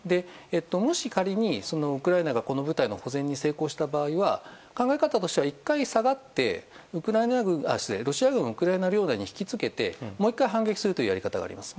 もし仮に、ウクライナがこの部隊の保全に成功した場合は考え方としては１回下がってロシア軍をウクライナ領内に引きつけてもう１回反撃するというやり方があります。